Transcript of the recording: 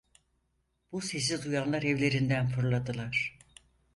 Bu sesi duyanlar evlerinden fırladılar.